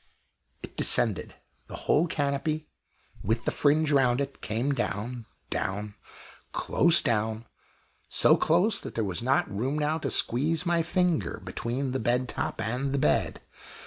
It descended the whole canopy, with the fringe round it, came down down close down; so close that there was not room now to squeeze my finger between the bed top and the bed.